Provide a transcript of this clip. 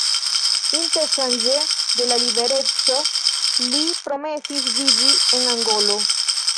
Interŝanĝe de la libereco, li promesis vivi en Angolo.